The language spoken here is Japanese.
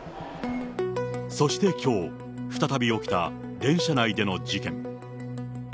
そしてきょう、再び起きた電車内での事件。